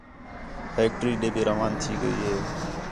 فیکٹری ݙے بھی رواں تھی ڳئی ہِے